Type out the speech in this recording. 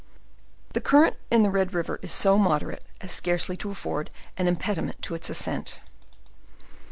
The current in the Red river is so moderate, as scarcely to afford an imped iment to its ascent.